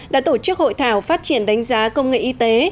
đã tổ chức hội thảo phát triển đánh giá công nghệ y tế